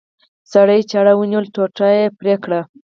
سړي چاړه ونیوله ټوټه یې پرې کړه.